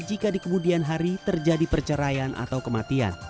jika di kemudian hari terjadi perceraian atau kematian